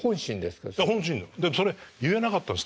本心それ言えなかったんです。